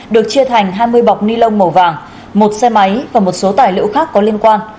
được chia thành hai mươi bọc ni lông màu vàng một xe máy và một số tài liệu khác có liên quan